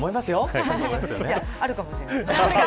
あるかもしれない。